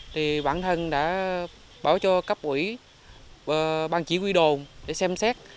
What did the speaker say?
thì bản thân đã bảo cho cấp ủy và bàn chỉ huy đồn để xem xét